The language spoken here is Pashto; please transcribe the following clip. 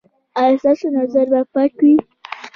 ایا ستاسو نظر به پاک وي؟